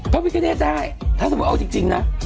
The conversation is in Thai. พระพิคเนตได้ถ้าสมมุติเอาจริงนะ